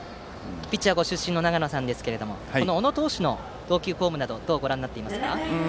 ピッチャーご出身の長野さんですがこの小野投手の投球フォームなどどうご覧になっていますか？